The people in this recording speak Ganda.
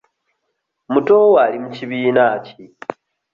Muto wo ali mu kibiina ki?